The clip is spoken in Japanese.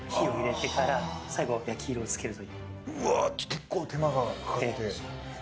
結構手間がかかって。